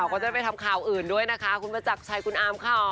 นักข่าวก็ได้ไปทำข่าวอื่นด้วยนะคะคุณประจักรชัยคุณอามข่าว